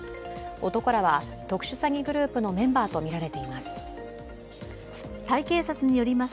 男らは特殊詐欺グループのメンバーとみられています。